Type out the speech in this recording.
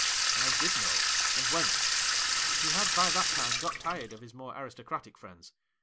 ' I did know, and went. He had by that time got tired of his more aristocratic friends.